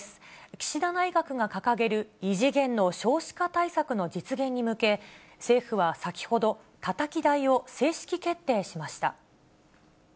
岸田内閣が掲げる異次元の少子化対策の実現に向け、政府は先ほど、たたき台を正式決定しました。